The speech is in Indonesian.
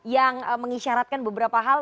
yang mengisyaratkan beberapa hal